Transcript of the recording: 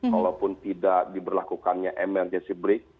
walaupun tidak diberlakukannya mrtc brick